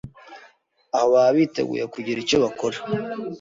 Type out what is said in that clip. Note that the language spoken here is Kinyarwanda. aho baba biteguye kugira icyo bakora